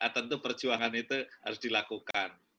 tentu perjuangan itu harus dilakukan